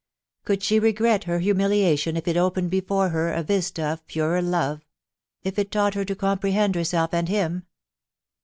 Could she regret her humiliation if it opened before her a vista of purer love — if it taught her to comprehend herself and him